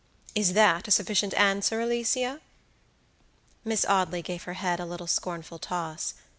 Is that a sufficient answer, Alicia?" Miss Audley gave her head a little scornful toss.